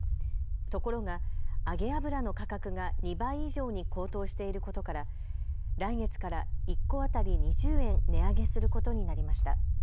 ところが揚げ油の価格が２倍以上に高騰していることから来月から１個当たり２０円値上げすることになりました。